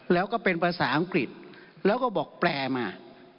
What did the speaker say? แล้วก็เป็นภาษาอังกฤษแล้วก็บอกแปลมา